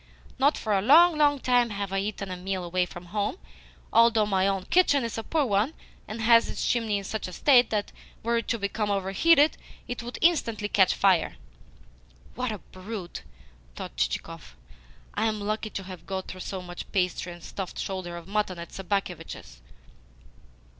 Not for a long, long time have I eaten a meal away from home although my own kitchen is a poor one, and has its chimney in such a state that, were it to become overheated, it would instantly catch fire." "What a brute!" thought Chichikov. "I am lucky to have got through so much pastry and stuffed shoulder of mutton at Sobakevitch's!"